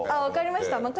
分かりました。